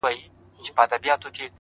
اوس مي هم ښه په ياد دي زوړ نه يمه ـ